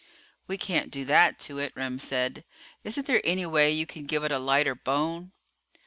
"We can't do that to it," Remm said. "Isn't there any way you can give it a lighter bone?"